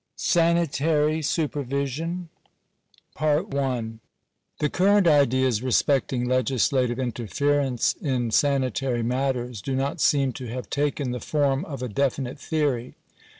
SANITARY SUPERVISION. § 1. The current ideas respecting legislative interference in sanitary matters do not seem to have taken the form of a definite theory.